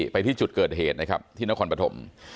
ไปที่จุดเกิดเหตุนะครับที่นครปฐม